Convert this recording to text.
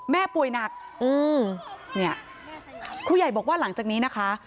แม่ป่วยหนักครูใหญ่บอกว่าหลังจากนี้นะคะ